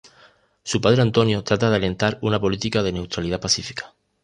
Su padre Antonio trata de alentar una política de neutralidad pacífica.